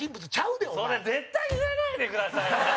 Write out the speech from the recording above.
田中：それ絶対言わないでください！